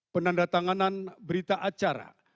penanda tanganan berita acara